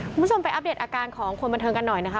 คุณผู้ชมไปอัปเดตอาการของคนบันเทิงกันหน่อยนะคะ